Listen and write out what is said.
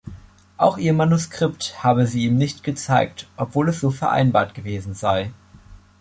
Auch ihr Manuskript habe sie ihm nicht gezeigt, obwohl es so vereinbart gewesen sei.